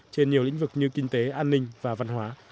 trên nhiều lĩnh vực như kinh tế an ninh và văn hóa